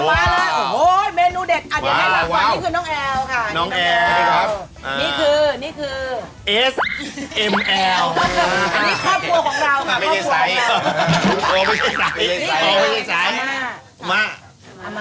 โอ้โฮมาเลยโอ้โฮเมนูเด็ด